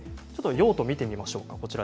用途を見てみましょう。